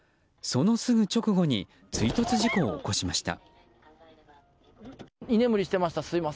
そのすぐ直後に追突事故を起こしました。